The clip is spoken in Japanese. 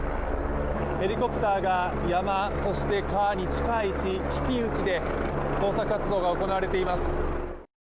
ヘリコプターが山、そして川に近い位置、低い位置で捜索活動が行われています。